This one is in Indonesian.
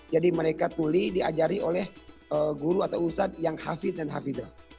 jadi mereka tuli diajari oleh guru atau ustadz yang hafidz dan hafidzah